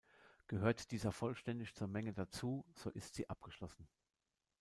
Gehört dieser vollständig zur Menge dazu, so ist sie abgeschlossen.